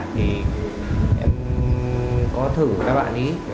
thì em có thử các bạn ý